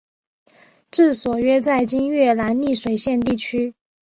治所约在今越南丽水县地区。